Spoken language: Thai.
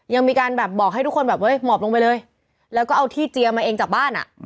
ยังมีการแบบบอกให้ทุกคนแบบหมอบลงไปเลยแล้วก็เอาที่เจียมาเองจากบ้านอ่ะ